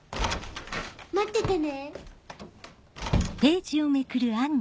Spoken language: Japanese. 待っててね。